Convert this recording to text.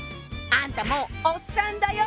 あんたもうおっさんだよ！